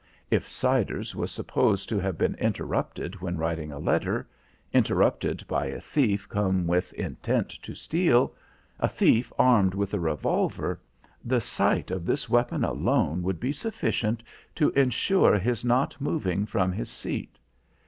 If Siders was supposed to have been interrupted when writing a letter, interrupted by a thief come with intent to steal, a thief armed with a revolver, the sight of this weapon alone would be sufficient to insure his not moving from his seat.